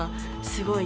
すごい。